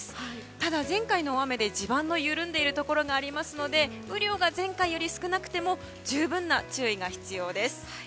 ただ、前回の大雨で地盤の緩んでいるところがあるので雨量が前回より少なくても十分な注意が必要です。